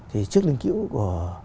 thì trước lưng cữu của